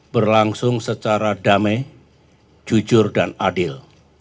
berlangsung secara damai jujur dan adil